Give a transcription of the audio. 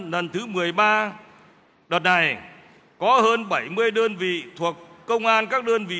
lần thứ một mươi ba đợt này có hơn bảy mươi đơn vị thuộc công an các đơn vị